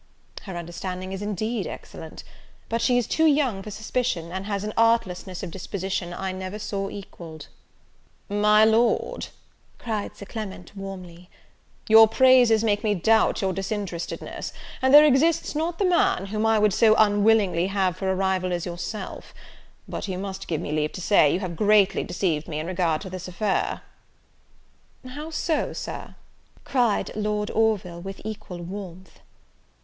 "Her understanding is indeed excellent; but she is too young for suspicion, and has an artlessness of disposition I never saw equalled." "My Lord," cried Sir Clement, warmly, "your praises make me doubt your disinterestedness, and there exists not the man, whom I would so unwillingly have for a rival as yourself. But you must give me leave to say, you have greatly deceived me in regard to this affair." "How so, Sir?" cried Lord Orville, with equal warmth.